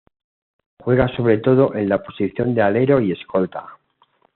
Juega sobre todo en la posición de alero y escolta.